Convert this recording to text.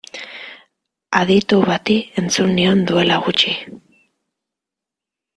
Aditu bati entzun nion duela gutxi.